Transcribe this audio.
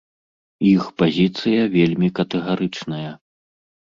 Іх пазіцыя вельмі катэгарычная.